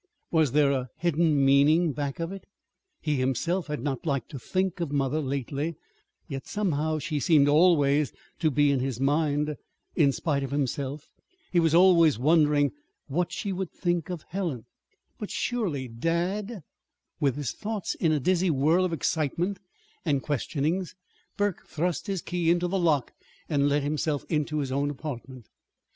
Was there a hidden meaning back of it? He himself had not liked to think of mother, lately; yet, somehow, she seemed always to be in his mind. In spite of himself he was always wondering what she would think of Helen. But, surely, dad With his thoughts in a dizzy whirl of excitement and questionings, Burke thrust his key into the lock and let himself into his own apartment.